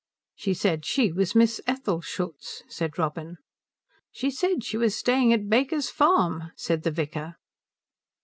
"She said she was Miss Ethel Schultz," said Robin. "She said she was staying at Baker's Farm," said the vicar.